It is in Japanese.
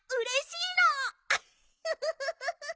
フフフフ。